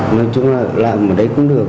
nói chung là làm ở đấy cũng được